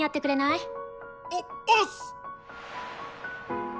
お押忍！